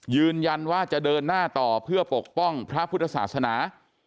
ยืนยันว่าจะเดินหน้าต่อเพื่อปกป้องพระพุทธศาสนา